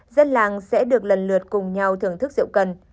dân làng sẽ được lần lượt cùng nhau thưởng thức rượu cần